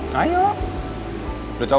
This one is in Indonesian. gak masalah kak